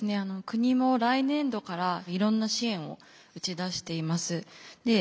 国も来年度からいろんな支援を打ち出しています。